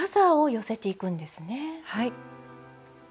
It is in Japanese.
はい。